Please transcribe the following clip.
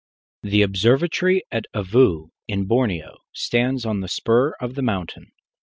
The observatory at Avu, in Borneo, stands on the spur of the mountain.